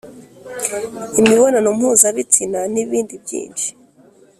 imibonano mpuzabitsina, nibindi byinshi